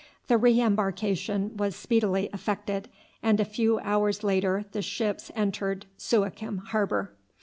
The re embarkation was speedily effected, and a few hours later the ships entered Suakim harbour.